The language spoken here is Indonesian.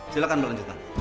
silahkan berlanjut pak